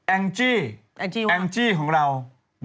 แองจิแองจิของเราแองจิว่า